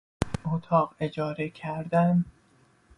اتاق اجاره کردن